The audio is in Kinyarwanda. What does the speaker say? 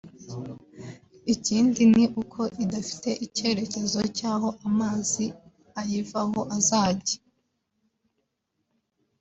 Ikindi ni uko idafite icyerekezo cy’aho amazi ayivaho azajya